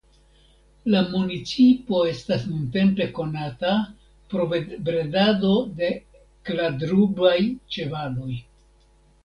La municipo estas nuntempe konata pro bredado de kladrubaj ĉevaloj.